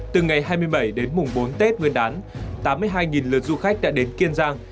từ ngày hai mươi bảy đến mùng bốn tết nguyên đán tám mươi hai lượt du khách đã đến kiên giang